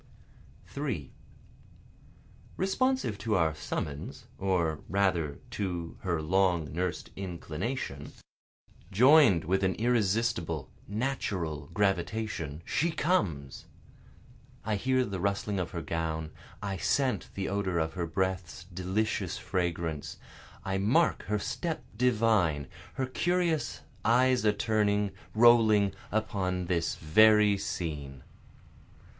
3 Responsive to our summons, Or rather to her long nurs'd inclination, Join'd with an irresistible, natural gravitation, She comes! I hear the rustling of her gown, I scent the odor of her breath's delicious fragrance, I mark her step divine, her curious eyes a turning, rolling, Upon this very scene.